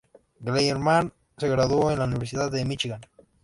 Gleiberman se graduó en la Universidad de Míchigan.